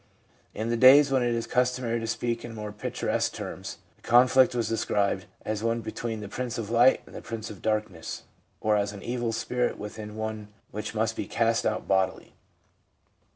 In the days when it was customary to speak in more picturesque terms, the conflict was described as one between the prince of light and the prince of darkness, or as an evil spirit within one which must be cast out bodily.